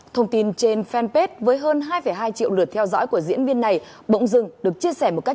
thông tin trên fanpage với hơn hai hai triệu lượt theo dõi